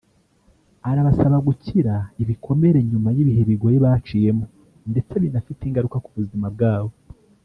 arabasaba gukira ibikomere nyuma y’ibihe bigoye baciyemo ndetse binafite ingaruka ku buzima bwabo